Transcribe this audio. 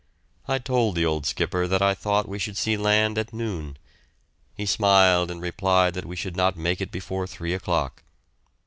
I told the old skipper that I thought we should see land at noon. He smiled and replied that we should not make it before three o'clock.